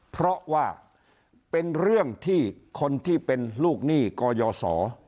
เพราะว่าเป็นเรื่องที่คนที่เป็นลูกหนี้กยศ